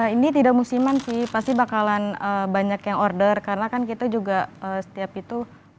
ini tidak musiman sih pasti bakalan banyak yang order karena kan kita juga setiap itu